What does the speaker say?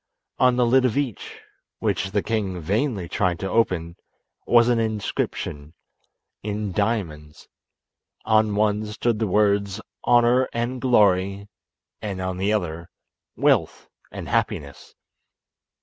On the lid of each (which the king vainly tried to open) was an inscription in diamonds. On one stood the words "Honour and Glory," and on the other "Wealth and Happiness."